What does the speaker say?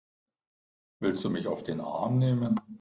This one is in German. Willst du mich auf den Arm nehmen?